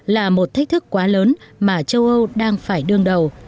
là một thách thức quá lớn mà châu âu đang phải đương đầu